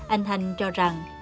anh thanh cho rằng